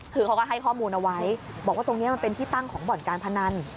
คือเขาก็ให้ข้อมูลเอาไว้บอกว่าตรงนี้มันเป็นที่ตั้งของบ่อนการพนัน